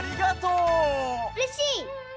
うれしい！